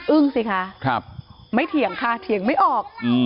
สิคะไม่เถียงค่ะเถียงไม่ออก